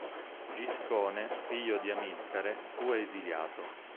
Giscone, figlio di Amilcare, fu esiliato.